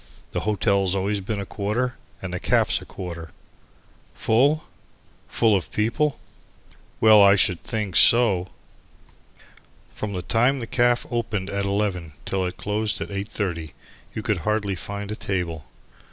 The hotel's always been a quarter and the caff's a quarter." Full? Full of people? Well, I should think so! From the time the caff opened at 11 till it closed at 8.30, you could hardly find a table.